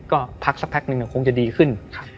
ก็พักสักพักหนึ่งคงจะดีขึ้น